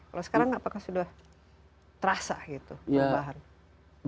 kalau sekarang apakah sudah terasa gitu perubahan